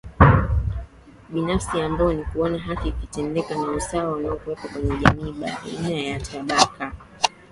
binafsi ambao ni kuona haki ikitendeka na usawa unakuwepo kwenye jamii baina ya tabaka